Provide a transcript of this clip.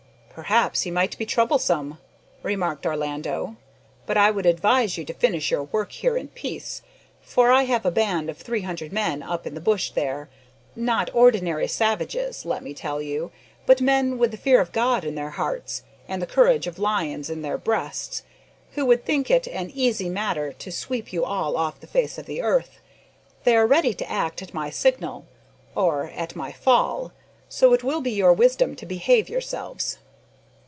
"Perhaps he might be troublesome," remarked Orlando; "but I would advise you to finish your work here in peace, for I have a band of three hundred men up in the bush there not ordinary savages, let me tell you, but men with the fear of God in their hearts, and the courage of lions in their breasts who would think it an easy matter to sweep you all off the face of the earth. They are ready to act at my signal or at my fall so it will be your wisdom to behave yourselves."